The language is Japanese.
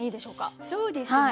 そうですね